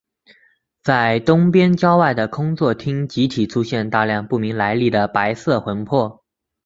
在东边郊外的空座町集体出现大量不明来历的白色魂魄。